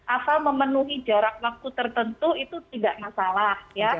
asal memenuhi jarak waktu tertentu itu tidak masalah